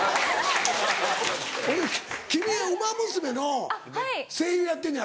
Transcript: ほいで君『ウマ娘』の声優やってんねやろ？